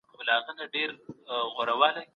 ټولنه د علم د پراختیا له لاري ځواکمنه کیږي.